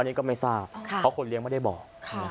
อันนี้ก็ไม่ทราบเพราะคนเลี้ยงไม่ได้บอก